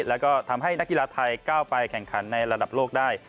แล้วก็ทำให้นักกีฬาไทยก้าวไปแข่งขันในระดับโลกได้